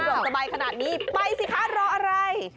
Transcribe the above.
สบายขนาดนี้ไปสิคะรออะไร